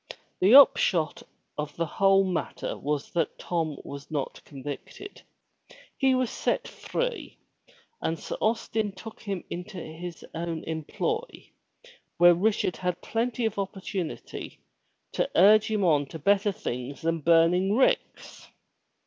The upshot of the whole matter was that Tom was not convicted. He was set free and Sir Austin took him into his own employ where Richard had plenty of opportunity to urge him on to better things than burning ricks.